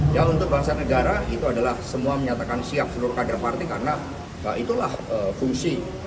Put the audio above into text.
ya untuk bangsa negara itu adalah semua menyatakan siap seluruh kader partai karena itulah fungsi